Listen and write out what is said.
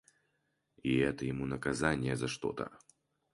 И это ему наказанье за что-то.